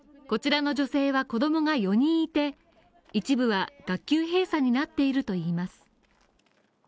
こちらの女性は、子供が４人いて一部は学級閉鎖になっているといいます。